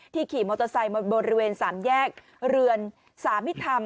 ขี่มอเตอร์ไซค์มาบริเวณสามแยกเรือนสามิธรรม